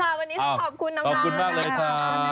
เอาล่ะวันนี้ต้องขอบคุณน้องลา